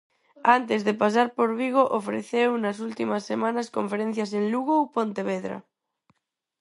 Antes de pasar por Vigo, ofreceu nas últimas semanas conferencias en Lugo ou Pontevedra.